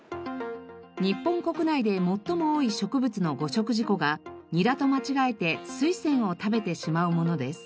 日本国内で最も多い植物の誤食事故がニラと間違えてスイセンを食べてしまうものです。